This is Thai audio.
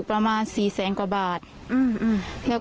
ความปลอดภัยของนายอภิรักษ์และครอบครัวด้วยซ้ำ